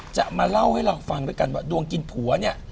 จะมาเล่าให้เราฟังด้วยกันว่าดวงกินผัวเนี่ย